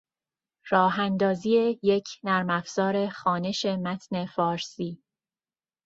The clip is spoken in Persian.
راهاندازی یک نرمافزار خوانش متن فارسی